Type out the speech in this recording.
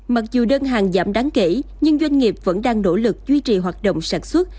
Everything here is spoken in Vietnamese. mặc dù đơn hàng giảm đáng kể nhưng doanh nghiệp vẫn đang nỗ lực duy trì hoạt động sản xuất